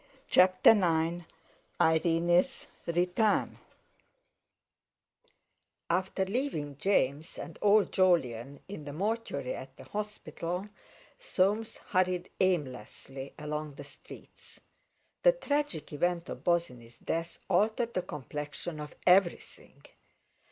CHAPTER IX IRENE'S RETURN After leaving James and old Jolyon in the mortuary of the hospital, Soames hurried aimlessly along the streets. The tragic event of Bosinney's death altered the complexion of everything.